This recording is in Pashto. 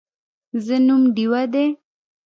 زه نوم ډیوه دی